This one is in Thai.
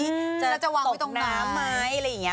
อืมแล้วจะวางไปตรงน้ำไหมจะตกน้ำไหมอะไรอย่างเงี้ย